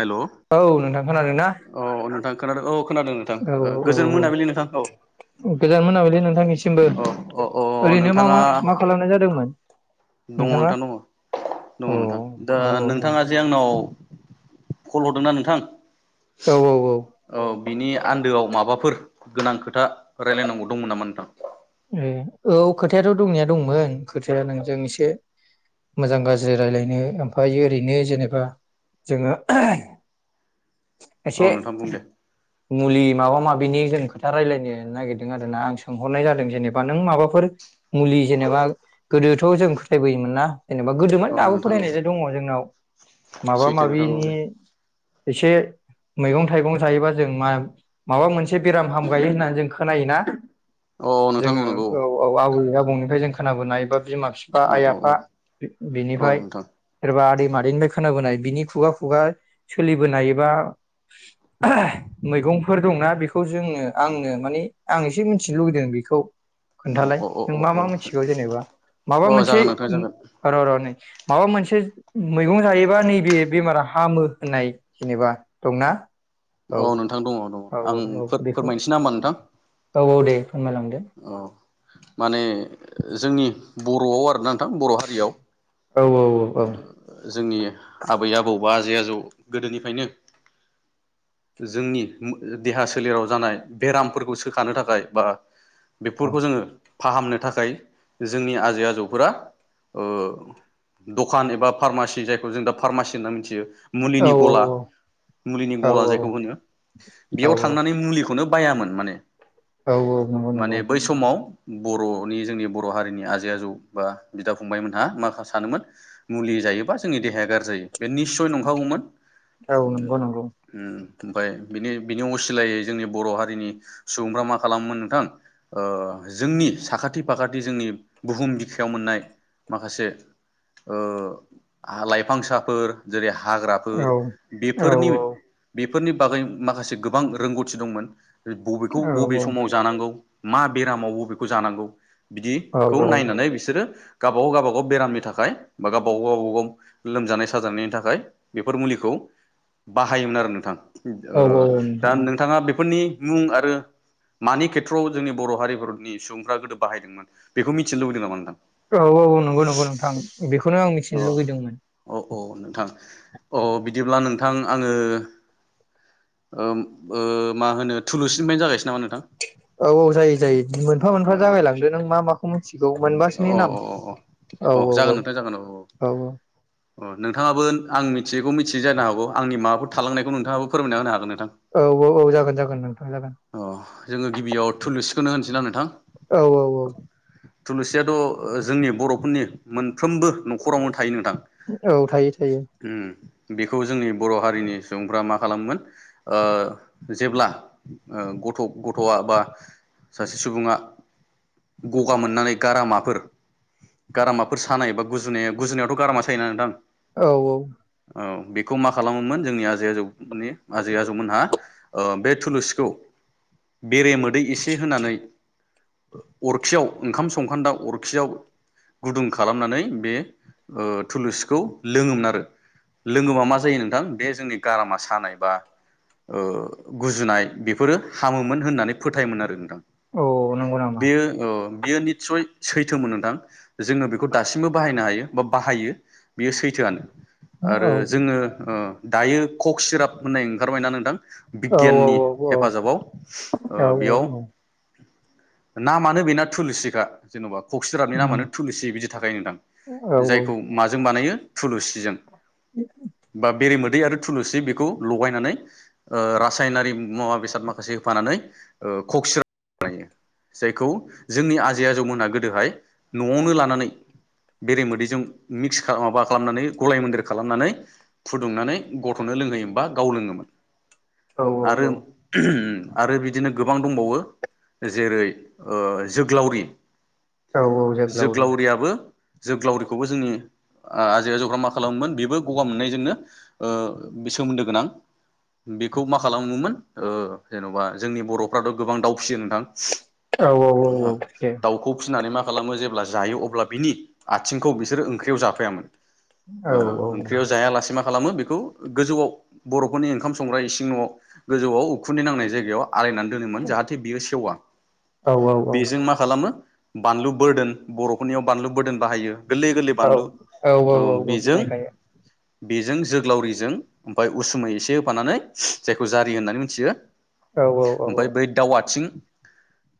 हेल' औ नोंथां खोनादों ना? औ नोंथां खोनादों औ खोनादों नोंथां औ औ औ गोजोन औ मोनाबिलि नोंथां औ गोजोन मोनाबिलि नोंथांनिसिमबो। औ अ अ ओरैनो मा नोंथाङा मा मा खालामनाय जादोंमोन दङ नोंथाङा नोंथां दङ दङ औ नोंथां दा औ नोंथाङा जे आंनाव फल हरदोंना नोंथां औ औ औ बिनि आन्दोआव माबाफोर गोनां खोथा रायलायनांगौ दंमोन नामा नोंथां? ए औ खोथायाथ' दंनाया दंमोन खोथाया नोंजों एसे मोजां गाज्रि रायलायनो ओमफ्रायायो ओरैनो जेनेबा जोङो औ एसे नोंथां बुं दे मुलि माबा माबि बिनि जों खोथा रायलायनो नागिरदों आरोना आं सोंहरनाय जादों जेनेबा नों माबाफोर मुलि जेनेबा गोदोथ' जों फोथायबोयोमोन ना जेनेबा गोदोममोन औ औ दाबो नोंथां औ फोथायनायजों दङ जोंनाव माबा सैथो नोंथां औ माबिनि दे एसे मैगं थाइगं जायोबा जों मा माबा मोनसे बेराम हामगायो होननानै जों खोनायोना? औ औ नोंथां जोङो नंगौ औ औ आबै आबौ आबौनिफ्राय जों खोनाबोनाय बा बिमा बिफा औ आइ औ औ आफा औ बिनिफ्राय नोंथां सोरबा आदै मादैनिफ्राय खोनाबोनाय बिनि खुगा खुगा सोलिबोनायबा मैगंफोर दंना बेखौ जोंनो आंनो माने आं एसे मिथिनो लुुबैदों। खौ औ खोन्थालाय औ नों औ मा औ मा मिथिगौ जेनेबा माबा औ मोनसे जागोन नोंथां जागोन र' र' नै माबा मोनसे से मैगं जायोबा नैबे बेमारा हामो होननाय जेनेबा दंना? औ नोंथां दङ दङ औ आं औ औ बेखौ फोरमायनोसै ना होमबा नोंथां औ औ दे फोरमायलांदो। औ माने जोंनि बर'आव आरो ना नोंथां बर' हारियाव औ औ औ जोंनि आबै आबौ बा आजै आजौ गोदोनिफ्रायनो जोंनि देहा सोलेराव जानाय बेरामफोरखौ सोखानो थाखाय बा बेफोरखौ जोङो फाहामनो थाखाय जोंनि आजै आजौफोरा ओ दखान एबा फार्मासि जायखौ जों दा फार्मासि होनना मिथियो मुलिनि गला मुलिनि गला जायखौ होनो औ बेयाव थांनानै मुलिखौनो बायामोन माने औ औ नंगौ नंगौ माने बै समाव बर'नि जोंनि बर' हारिनि आजै आजौ बा बिदा फंबाय मोनहा माखा सानोमोन मुलि जायोबा जोंनि देहाया गाज्रि जायो। बे निस्सय नंखागौमोन औ उम नंगौ नंगौ उम ओमफ्राय बिनि बिनि असिलायै जोंनि बर' हारिनि सुबुंफ्रा मा खालामोमोन नोंथां ओ जोंनि साखाथि फाखाथि जोंनि बुहुम बिखायाव मोननाय माखासे ओ आ लाइफांसाफोर जेरै हा औ हाग्राफोर औ बेफोरनि बे फोरनि बागै माखासे गोबां रोंगौथि दंमोन। बि बबेखौ बबे समाव जानांगौ। मा बेरामावबो बेखौ जानांगौ बिदिखौ नायनानै बिसोरो गाबागाव गाबागाव बेरामनि थाखाय बा गाबा गाव गाबागाव लोमजानाय साजानायनि थाखाय बेफोर मुलिखौ बाहायोमोन आरो नोंथां। औ ओ औ दा नोंथां नोंथाङा बेफोरनि मुं आरो मानि खेथ्रआव जोंनि बर' हारिफोरनि सुबुंफ्रा गोदो बाहायदोंमोन बेखौ मिथिनो लुबैदों नामा नोंथां? औ औ औ नंगौ नंगौ नोंथां। बेखौनो आं मिथिनो लुुबैदोंमोन। औ अ नोंथां अ बिदिब्ला नोंथां आङो ओ ओ मा होनो थुलुसिनिफ्रायनो जागायसै नामा नोंथां औ औ जायो जायो मोनफा अ मोनफा जागायलांदो नों मा माखौ मिथिगौ अ मोनबासोनि नाम अ औ अ औ जागोन औ। नोंथां जागोन औ औ अ नोंथाङाबो आं मिथियै मिथियै जानो हागौ आंनि माबाफोर थालांनायखौ नोंथाङाबो फोरमायना होनो हागोन नों औ औ औ जागोन जागोन नोंथां जागोन। अ जोङो गिबियाव थुलुस थुनो होनसै ना नोंथां? औ औ औ थुलुसियाथ' ओ जोंनि बर'फोरनि मोनफ्रोमबो न खराव औ थायो थायो। बिखौ जोंनि बर' हारिनि सुबुंफ्रा मा खालामोमोन ओ जेब्ला ओ गथ गथया बा सासे सुबुङा गगा मोननानै गारामाफोर गारामाफोर सानाय बा गुजुनाया गुजुनायावथ गारामा सायो ना नोंथां औ औ औ बेखौ मा खालामोमोन जोंनि आजै आजौ नि आजै आजौमोनहा ओ बे थुलुसिखौ बेरे मोद दै एसे होनानै ओ अरखियाव ओंखाम संखान्दा अरखियाव गुदुं खालामनानै बे ओ थुलुसिखौ लोङोमोन आरो लोङोबा मा जायो नोंथां बे जोंनि गारामा सानाय बा ओ गुजुनाय बेफोरो हामोमोन होननानै फोथायोमोन आरो नोंथां औ नंगौ नामा बेयो औ बियो निस्सय सैथोमोन नोंथां। जोङो बेखौ दासिमबो बाहायनो हायो। बा बाहायो बेयो सैथोआनो। आरो औ जोङो ओ दायो कक सिराप होननाय ओंखारबाय ना नोंथां औ औ बिगियाननि हेफाजाबाव औ ओ बेयाव औ नामानो बेना थुलुसिखा जेनबा कखसिराबनि उम नामानो थुलुसि बिदि थाखाय नोंथां। औ जायखौ माजों बानायो थुलुसिजों। बा बेरे मोद दै आरो थुलुसि बेखौ लगायनानै ओ रासायनारि मुवा बेसाद माखासे होफानानै ओ खकसिराप बानायो जायखौ जोंनि आजै आजौमोना गोदोहाय नयावनो लानानै बेरे मोदै जों मिक्स माबा खालामनानै गलाय मोन्देर खालामनानै फुदुंनानै गथनो लोंहोयोमोन बा गाव लोङोमोन। औ औ आरो [unintelligible] आरो बिदिनो गोबां दंबावो जेरै ओ जोग्लावरि औ औ जोगलावरि जोग्लावरि खौबो जोंनि ओ आजै आजौफ्रा मा खालामोमोन बेबो गगा मोननायजोंनो ओ बे सोमोन्दो गोनां बेखौ मा खालामोमोन ओ जेनबा जोंनि बर'फोराथ गोबां दावउ फिसियो नोंथां। औ औ औ औखे दाउखौ फिसिनानै मा खालामो जेब्ला जायो अब्ला बिनि आथ थिंखौ बिसोर ओंख्रियाव जाफायामोन। औ ओ ओंख्रियाव जायालासे मा खालामो बेखौ गोजौआव बर'फोरनि ओंखाम संग्रा इसिं नआव गोजौआव उखुन्दै नांनाय जायगायाव आलायनानै दोनोमोन जाहाथे बियो सेवा बेजों मा खालामो बानलु बोरदोन बर'फोरनियाव बानलु बोरदोन बाहायो। गोरलै गोरलै औ बानलु औ औ औ औ सिनायखायो। बेजों जोग्लावरिजों ओमफाय उसुमै एसे होफानानै जायखौ जारि होननानै मिथियो औ औ औ औ ओमफाय बै दाव आथिं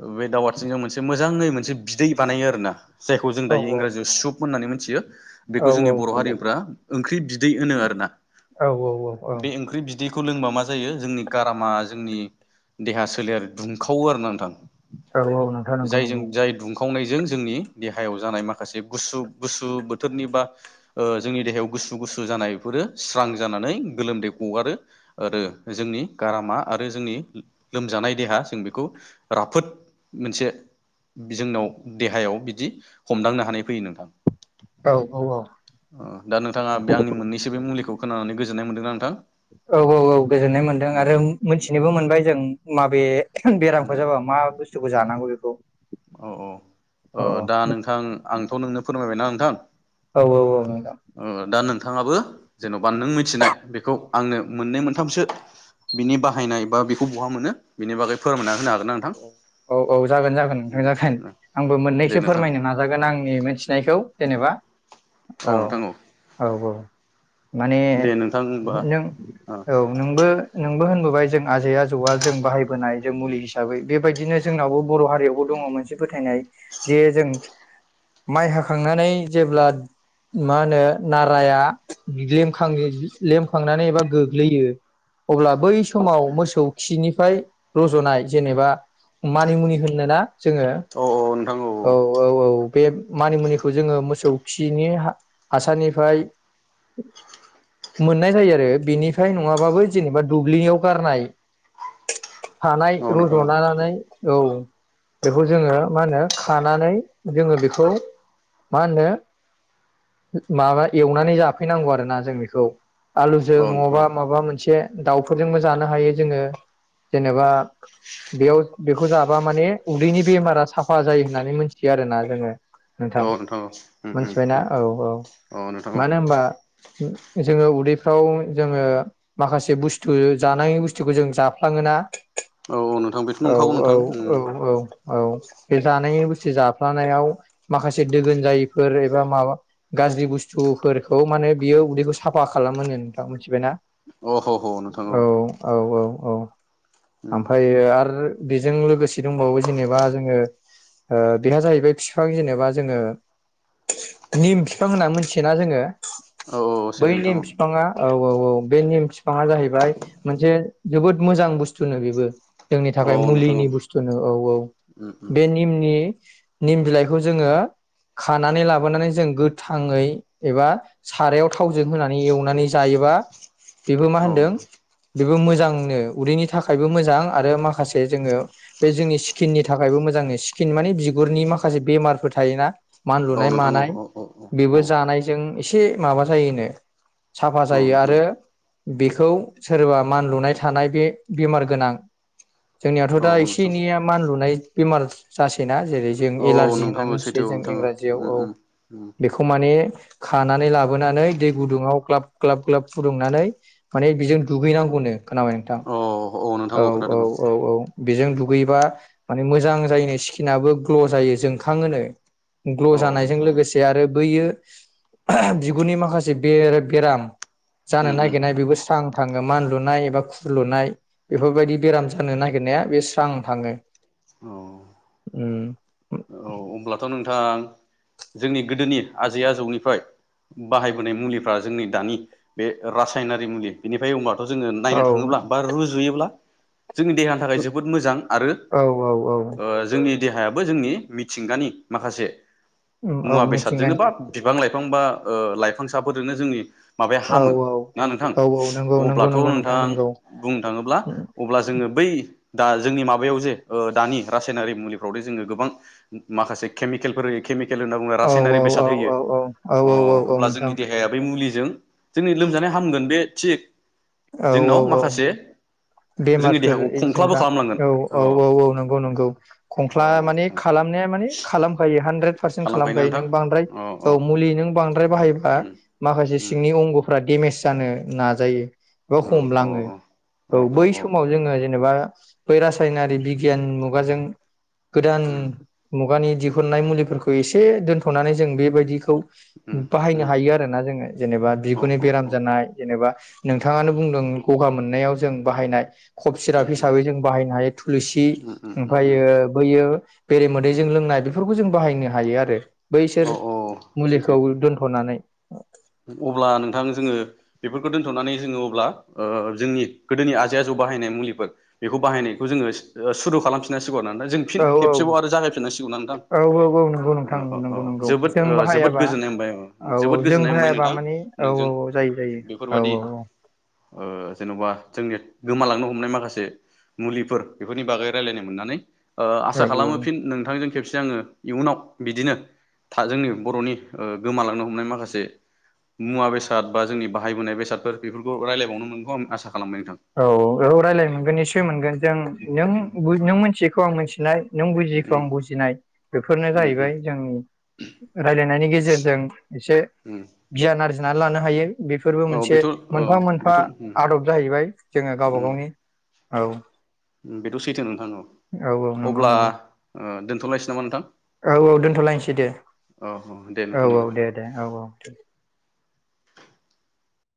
ओ बे दाव आथिंजों मोनसे मोजाङै मोनसे बिदै बानायो ना जायखौ जों औ दायो इंराजियाव सुप होननानै मोनथियो बेखौ औ जोंनि बर' हारिनिफ्रा ओंख्रि बिदै होनो आरोना औ औ बे ओंख्रि बिद बिदैखौ लोंबा मा जायो जोंनि गारामा जोंनि देहा सोलेर दुंखावो आरो ना नोंथां। औ औ नोंथां नंगौ नंगौ। खावनायजों जोंनि देहायाव जानाय माखासे गुसु गुसु बोथोरनि बा ओ जोंनि देहायाव गुसु गुसु जानायफोरो स्रां जानानै गोलोमदै गगारो आरो जोंनि गारामा आरो जोंनि लोमजानाय देहा जों बेखौ राफोद मोनसे जोंनाव देहायाव बिदि हमदांनो हानाय फैयो नोंथां। औ औ औ अ दा नोंथाङा बे आंनि मोननैसो बे मुलिखौ खोनानानै गोज जोननाय मोनदों ना नोंथां? औ औ औ गोजोननाय मोन्दों उम आरो मिथिनोबो मोनबाय जों माबे [unintelligible] बेरामखौ जाबा मा बुस्थुखौ जानांगौ बेख औ अ अ ओ दा ओ नोंथां आंथ' नोंनो फोरमायबायना थां औ औ औ नों औ दा नों थाङाबो जेन'बा नों मिथिनाय बेखौ आंनो मोननै मोनथामसो बिनि बाहायनाय बा बिखौ बहा मोनो बेनि बागै फोरमायना होनो हाग अ औ औ जागोन जागोन नोंथां जागोन आंबो दे मोननैसो नोंथां फोरमायनो नाजागोन आंनि मोनथिनायखौ जेनेबा औ औ औ माने दे नोंथां होनबा नों औ नोंबो नोंबो होन होबाय जों आजै आजौआ जों बाहायबोनाय जे मुलि हिसाबै बेबायदिनो जोंनावबो बर' हारियावबो दङ मोनसे फोथायनाय जे जों माइ हाखांनानै जेब्ला मा होनो नाराया बिदि खाम लेमखांनानै एबा गोग्लैयो अब्ला बै स समाव मोसौ खिनि फाय रज'नाय जेनेबा मानिमुनि होननो ना जोङो औ नोंथां औ औ औ बे मानिमुनिखौ जोङो मोसौ खिनि हा हासारनिफाय मोननाय जायो आरो बेनिफ्राय नङाबाबो जेनेबा दुब्लियाव गारनाय हा औ नोंथां औ रज'नानानै औ। बेखौ जोङो मा होनो खानानै जोङो बेखौ मा होनो माबा एवनानै जाफैनांगौ आरोना जों बेखौ। आलुजों औ नोंथां नङाबा औ माबा मोनसे दाउफोरजोंबो जानो हायो जोङो जेनेबा बेयाव बेखौ जाबा माने उदैनि बेमारा साफा जायो होननानै मिथियो आरोना जोङो नोंथां औ औ उम उम मोनथिबायना औ औ उम नोंथां औ मानो होमबा उ जोङो उदैफ्राव जोङो माखासे बुस्थु जानाय बुस्थुखौ जों जाफ्लाङोना औ औ नोंथां बेथ' औ नंखागौ औ नोंथां उम औ औ औ बे जानायनि बुस्थु जाफ्लानायाव माखासे दोगोन जायैफोर एबा माबा गाज्रि बुस्थुफोरखौ माने बियो उदैखौ साफा खालामो नो नोंथां मोथिबायना। अ ह ह नोंथां औ औ औ। औ उम थांफायो आरो बेजों लोगोसे दंबावो जेनेबा जोङो बेहा जाहैबाय बिफां जेनेबा जोङो निम बिफां होनना मिथियोना जोङो औ औ बै सैथो नोंथां नेम बिफाङा औ औ औ बे निम बिफाङा जाहैबाय मोनसे जोबोद मोजां बुस्थुनो बेयो बो जोंनि औ थाखाय नोंथां औ मुलिनि बुस्थुनो औ औ उम बे निमनि निम बिलाइखौ जोङो खानानै लाबोनानै जों गोथाङै एबा सारायाव थावजों होनानै एवनानै जायोबा बेबो मा उम औ होनदों बेबो मोजांनो उदैनि थाखाय [unintelligible] बिगुरनि माखासे बेमारफोर थोना मान औ लुनाय नोंथां औ मानाय औ औ औ बे जानायजों ए म ज साफा औ जायो नोंथां आरो बेखौ सोरबा मान लुनाय थानाय बे गोनां जोंनियावथ' औ दा औ एसे नोंथां एनैया मानलुनाय बेमार जासै जेरै जों औ औ एलारजि होन नोंथां होनना औ सैथो मिथियो औ जों नोंथां औ इंराजियाव उम औ उम उम बेखौ माने खानानै लाबोनानै दै गुदुङाव ग्लाब ग्लाब ग्लाब फुदुंनानै माने बेजों दुगैनांगौनो खोनाबाय नोंथां औ औ औ औ औ बेजों दुगैबा माने मोजां जायोनो स्किनाबो ग्ल' जायो जोंखांओनो ग्ल' औ औ जानायजों नोंथां औ लोगोसे आरो बैयो बिगुरनि माखासे बे बेराम जानो उम उम नागिरनाय बेबो स्रां थाङो मानलुनाय एबा खुर लुनाय बेफोरबायदि बेराम जानो नागिरनाया बे स्रां थाङो औ औ अब्लाथ' नोंथां जोंनि गोदोनि आजै आजौनिफ्राय बाहायबोनाय मुलिफ्रा जोंनि दानि बे रासायनारि मुलि बिनिफ्राय अमार जोङो औ नायनो थाङोब्ला बा रुजुयोब्ला जोंनि देहानि थाखाय जोबोद मोजां आरो औ औ औ ओ जोंनि देहायाबो जोंनि मिथिंगानि माखासे उम औ मुवा बेसादजोंनो मिथिंगानि बा बिफां लाइफां बा ओ लाइफांसाफोरजोंनो जोंनि माबाया औ हामो औ ना नोंथां औ औ नंगौ नंगौ अब्लाथ' नंगौ नोंथां नंगौ बुंनो थाङोब्ला अब्ला जोङो बै दा जोंनि माबायाव जे दानि रासायनारि मुलिफ्रावदि जोङो गोबां माखासे केमिकेलफोर हो केेल केल होनना बुङो औ रासायनारि औ औ बेसाद होयो औ औ अ औ औ औ अब्ला जोंनि नोंथां देहाया बै मुलि जों जोंनि लोमजानाय हामगोन बे थि औ औ जोंनाव औ माखासे जोंनि बेमारफोर देहाखौ खंख्लाबो जेनेबा खालामलांगोन औ अ औ औ औ नंगौ नंगौ अ खंख्ला मानि नोंथां खालामनाया माने खालामायो हानद्रेद पारसेन्ट खालामखायोना खालामखायो नोंथां नों बांद्राय अ अ औ मुलि नों बांद्राय बाहायबा उम माखासे उम सिंनि अंग'फ्रा डेमेज जानो नाजायो बो अ अ हमलाङो औ बै अ अ समाव अ जोङो जेनेबा बै रासायनारि बिगियाननि मुगाजों गोदान मुगानि दिहुननाय मुलिफोरखौ एसे दोनथ'नानै जों बेबायदिखौ बाहायनो हायो आरो ना जोङो जेनेबा बिगुरनि बेराम जानाय जेनेबा नोंथाङानो बुंदों गगा मोननायाव जों बाहायनाय खब सिराप हिसाबै जों बाहायनो हायो थुलसि ओमफ्रायो बैयो बेरे मोदैजों लोंनाय बेफोरखौ जों बाहायनो हायो आरो अ बैसोर सैथो मुलिखौ दोन्थ'नानै अब्ला नोंथां जोङो बेफोरखौ दोन्थ'नानै जोङो अब्ला जोंनि गोदोनि आजै आजौ बाहायनाय मुलिफोर बेखौ बाहायनायखौ जोङो सुरु खालामफिननांसिगौ जों फिन औ खेबसेबाव आरो जागायफिननांसिगौ ना नोंथां औ औ औ नंगौ नोंथां नंगौ नंगौ जोबोद जों जोबोद बाहायाबा गोजोननाय औ औ मोनबाय जों गोजोननाय मोनबाय बाहायाबा नोंथां माने औ नोंजों औ औ जायो जायो औ बेफोरबादि जेन'बा जोंनि गोमालांनो हमनाय माखासे मुलिफोर बेफोरनि बागै रायलायनो मोननानै ओ आसा औ औ खालामो फिन नोंथांजों खेबसे आङो इयुनाव बिदिनो [unintelligible] जोंनि बर'नि गोमालांनो हमनाय माखासे मुवा बेसाद बा जोंनि बाहायबोनाय बेसादफोर बेफोरखौ रायलायबावनो मोनगोनखौ आं आसा खालामबाय नोंथां। औ औ रायज्लायनो मोनगोन निससय मोनगोन जों नों उम नों मिथियैखौ आं मिथिनाय नों बुजियैखौ आं बुजिनाय बेफोरनो उम उम जाहैबाय जोंनि रायलायनायनि गेजेरजों एसे उम गियान आरजिनो बुजिनानै लानो हायो बेफोरबो औ मोनसे बेथ' औ मोनफा मोनफा बेथ' उम आदब जाहैबाय गावबा गावनि उम औ बेथ' सैथो नोंथां औ औ नंगौ अब्ला नंगौ ओ दोनथ'लायसै नामा नोंथां औ औ दोनथ'लायसै दे औ औ दे औ नोंथां होमबा औ दे दे औ औ